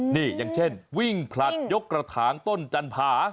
นี่อย่างเช่นวิ่งผลัดยกกระถางต้นจันผา